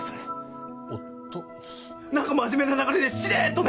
おと何か真面目な流れでしれっとね。